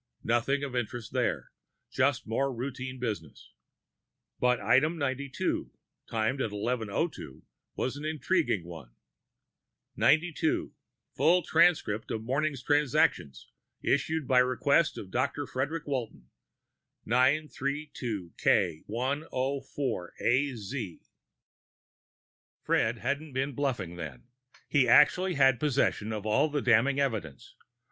Nothing of interest there, just more routine business. But item ninety two, timed at 1102, was an intriguing one: 92: Full transcript of morning's transactions issued at request of Dr. Frederic Walton, 932K104AZ. Fred hadn't been bluffing, then; he actually had possession of all the damning evidence.